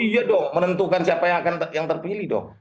iya dong menentukan siapa yang terpilih dong